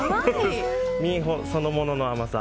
身そのものの甘さ。